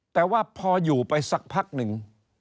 แต่ว่าพออยู่ไปสักพักหนึ่ง